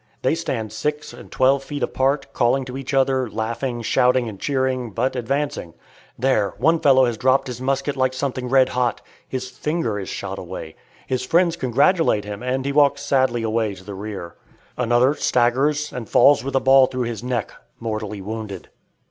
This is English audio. They stand six and twelve feet apart, calling to each other, laughing, shouting and cheering, but advancing. There: one fellow has dropped his musket like something red hot. His finger is shot away. His friends congratulate him, and he walks sadly away to the rear. Another staggers and falls with a ball through his neck, mortally wounded.